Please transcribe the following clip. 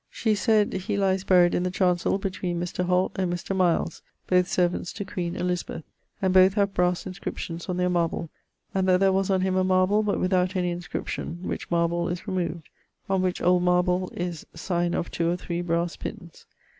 She sayd, he lies buried in the chancell between Mr. Holt and Mr. Miles, both servants to queen Elizabeth, and both have brasse inscriptions on their marble, and that there was on him a marble, but without any inscription, which marble is removed; on which old marble is signe of two or three brasse pinnes.